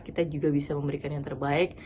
kita juga bisa memberikan yang terbaik